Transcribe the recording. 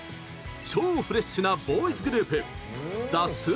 超フレッシュなボーイズグループＴＨＥＳＵＰＥＲＦＲＵＩＴ。